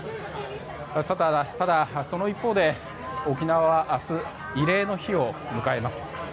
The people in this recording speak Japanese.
ただ、その一方で沖縄は明日慰霊の日を迎えます。